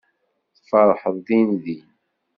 Tfeṛḥeḍ dindin.